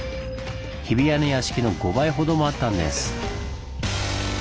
日比谷の屋敷の５倍ほどもあったんです。